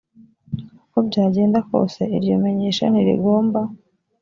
uko byagenda kose iryo menyesha ntirigomba